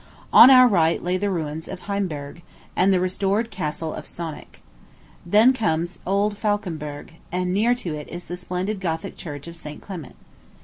On our right lay the ruins of Heimberg, and the restored Castle of Sonneck. Then comes old Falkenberg, and near to it is the splendid Gothic Church of St. Clement.